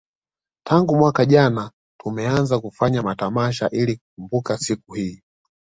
Tangu mwaka jana tumeanza kufanya matamasha ili kukumbuka siku hii